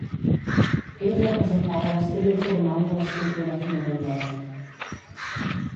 Ell representava l'estil informal de l'escultura finlandesa.